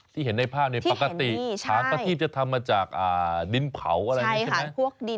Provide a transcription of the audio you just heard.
เห็นในภาพปกติฉางประทีบจะทำมาจากดินเผาอะไรอย่างนี้ใช่ไหม